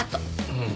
うん。